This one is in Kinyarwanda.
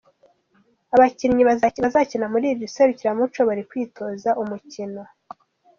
Abakinnyi bazakina muri iri serukiramuco bari kwitoza umukino.